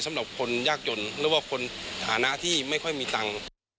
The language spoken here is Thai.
สำหรับคนยากจนหรือว่าคนฐานะที่ไม่ค่อยมีตังค์